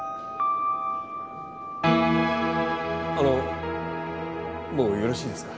あのもうよろしいですか？